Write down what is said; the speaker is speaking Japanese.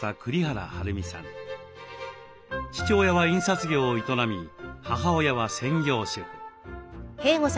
父親は印刷業を営み母親は専業主婦。